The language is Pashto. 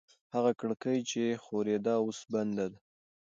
هغه کړکۍ چې ښورېده اوس بنده ده.